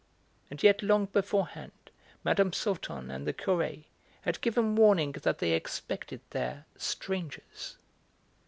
And yet long beforehand Mme. Sauton and the Curé had given warning that they expected their 'strangers.'